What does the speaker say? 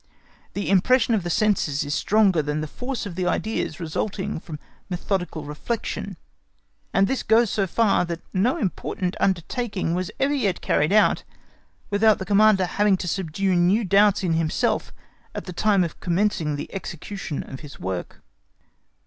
The impression of the senses is stronger than the force of the ideas resulting from methodical reflection, and this goes so far that no important undertaking was ever yet carried out without the Commander having to subdue new doubts in himself at the time of commencing the execution of his work.